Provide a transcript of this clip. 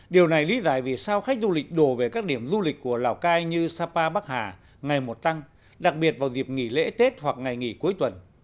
điều này lý giải vì sao khách du lịch đổ về các điểm du lịch của lào cai như sapa bắc hà ngày một tăng đặc biệt vào dịp nghỉ lễ tết hoặc ngày nghỉ cuối tuần